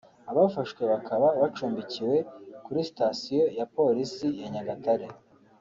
abafashwe bakaba bacumbikiwe kuri sitasiyo ya Polisi ya Nyagatare